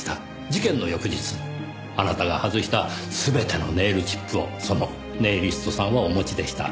事件の翌日あなたが外した全てのネイルチップをそのネイリストさんはお持ちでした。